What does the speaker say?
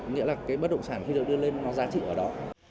nghĩa là cái bất động sản khi được đưa lên nó giá trị ở đó